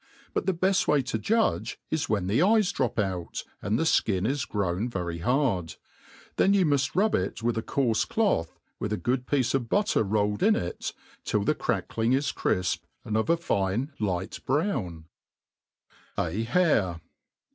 But the beft way to judge, is when the eyes drop out, and the (kin is grown jvery hard ; then you mu0:* rub it with a cbarfe cloth, wit(( a. good piece of .butter rolled in it, till the crack* ling is Qtit^ ^Studr of a fine light brown, * A HARE.